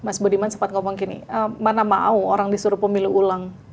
mas budiman sempat ngomong gini mana mau orang disuruh pemilu ulang